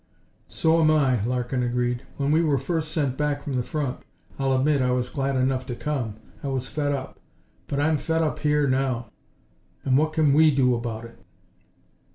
"So am I," Larkin agreed. "When we were first sent back from the front, I'll admit I was glad enough to come. I was fed up. But I'm fed up here now. And what can we do about it?"